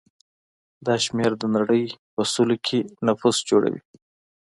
دا شمېر د نړۍ په سلو کې نفوس جوړوي.